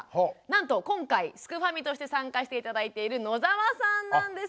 なんと今回すくファミとして参加して頂いている野澤さんなんです。